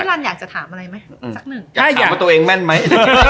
พี่ลาร์นอยากจะถามอะไรไหมอืมสักหนึ่งได้กับว่าตัวเองแม่นไหม